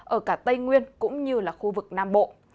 ở cả tây nguyên cũng như là khu vực nam bộ